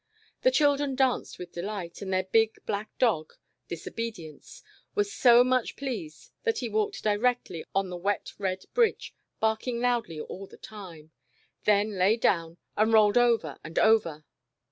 The children danced with delight, and their big, black dog, " Diso bedience," was so much pleased, that he walked directly on the wet red bridge, barking loudly all the time ; then lay down, and rolled over and over!